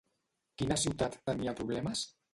Quina ciutat tenia problemes?